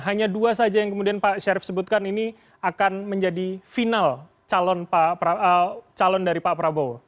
hanya dua saja yang kemudian pak syarif sebutkan ini akan menjadi final calon dari pak prabowo